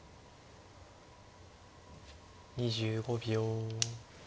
２５秒。